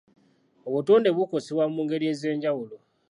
Obutonde bukosebwa mu ngeri ez'enjawulo.